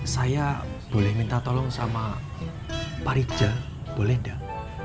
saya boleh minta tolong sama parijal boleh dah